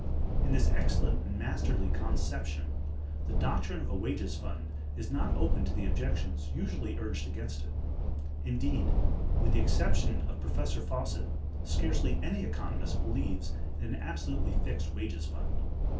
(166) In this excellent and masterly conception, the doctrine of a wages fund is not open to the objections usually urged against it. Indeed, with the exception of Professor Fawcett, scarcely any economist believes in an absolutely fixed wages fund.